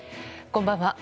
こんばんは。